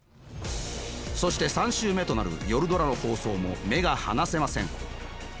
そして３週目となる「夜ドラ」の放送も目が離せません。